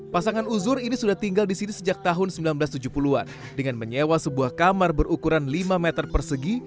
pasangan uzur ini sudah tinggal di sini sejak tahun seribu sembilan ratus tujuh puluh an dengan menyewa sebuah kamar berukuran lima meter persegi